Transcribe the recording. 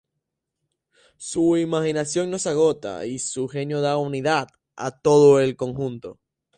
Su imaginación no se agota y su genio da unidad a todo el conjunto.